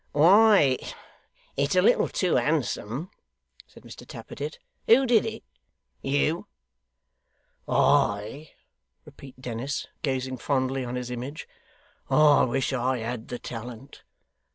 'Why it's a little too handsome,' said Mr Tappertit. 'Who did it? You?' 'I!' repeated Dennis, gazing fondly on his image. 'I wish I had the talent.